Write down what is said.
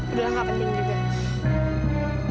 udah gak penting juga